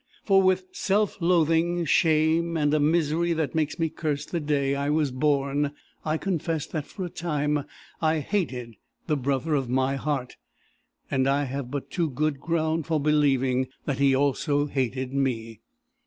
For with self loathing shame, and a misery that makes me curse the day I was born, I confess that for a time I hated the brother of my heart; and I have but too good ground for believing that he also hated me!"